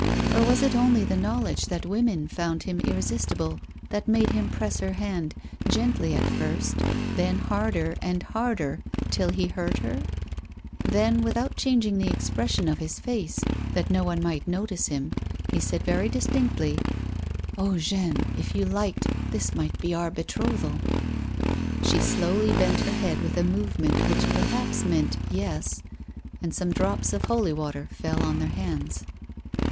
Or was it only the knowledge that women found him irresistible that made him press her hand, gently at first, then harder and harder till he hurt her 1 Then, without changing the expression of his face, that no one might notice him, he said very distinctly : "Oh, Jeanne, if you liked, this might be our betrothal !" A WOMAN'S LIFE. 43 She slowly bent her head with a movement which per haps meant " yes ;" and some drops of holy water fell on their hands.